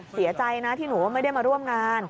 เสียใจนะที่หนูไม่ได้มาร่วมงาน